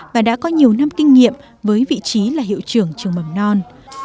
và đã có nhiều năm kinh nghiệm với vị trí là hiệu trưởng trường mầm non